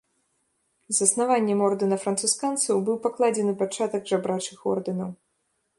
Заснаваннем ордэна францысканцаў быў пакладзены пачатак жабрачых ордэнаў.